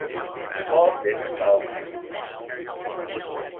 The class then spells moose.